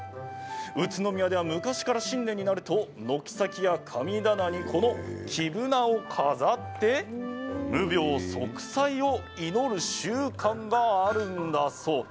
宇都宮では昔から新年になると軒先や神棚にこの黄ぶなを飾って無病息災を祈る習慣があるんだそう。